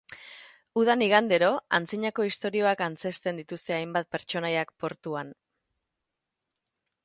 Udan, igandero, antzinako istorioak antzezten dituzte hainbat pertsonaiak portuan.